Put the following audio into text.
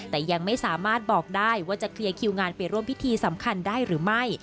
แต่ยังไม่สามารถบอกได้ว่าจะเคลียร์คิวงานไปร่วมพิธีสำคัญได้หรือไม่